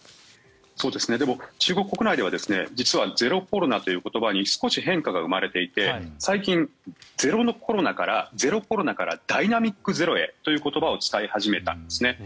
でも中国国内では実はゼロコロナという言葉に少し変化が生まれていて最近、ゼロコロナからダイナミックゼロへという言葉を使い始めたんです。